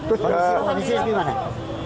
polisi di mana